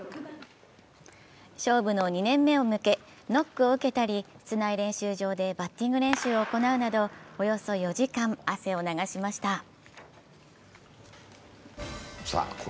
勝負の２年目へ向け、ノックを受けたり室内練習場でバッティング練習を行うなど、およそ４時間、汗を流しました。